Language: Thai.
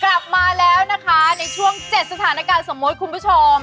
กลับมาแล้วนะคะในช่วง๗สถานการณ์สมมุติคุณผู้ชม